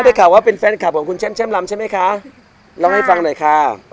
นี่นาคือแฟนคลับของคุณแช่มลำใช่ไหมคะลองให้ฟังหน่อยค่ะ